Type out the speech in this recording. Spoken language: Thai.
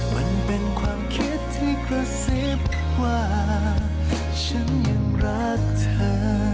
มันเป็นความคิดที่กระซิบว่าฉันยังรักเธอ